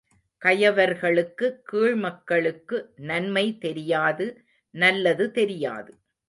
கயவர்களுக்கு கீழ்மக்களுக்கு நன்மை தெரியாது நல்லது தெரியாது.